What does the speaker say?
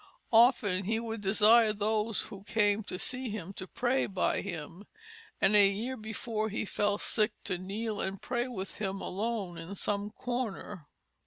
Often he would desire those who came to see him to pray by him, and a year before he fell sick to kneel and pray with him alone in some corner."